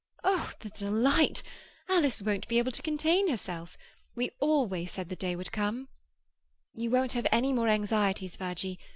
"Oh, the delight! Alice won't be able to contain herself. We always said the day would come." "You won't have any more anxieties, Virgie.